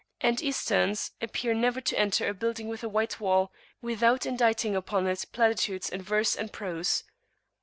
And Easterns appear never to [p.432]enter a building with a white wall without inditing upon it platitudes in verse and prose.